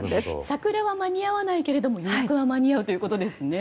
桜は間に合わないけれども予約は間に合うということですね。